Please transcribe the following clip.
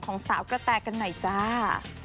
ของสาวกระแตกันหน่อยจ้า